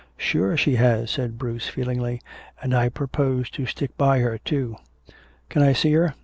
"Sure she has," said Bruce feelingly. "And I propose to stick by her, too." "Can I see her?"